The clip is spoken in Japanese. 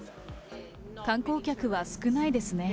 観光客は少ないですね。